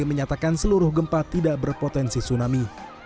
menyatakan seluruh gempa tidak berpotensi tsunami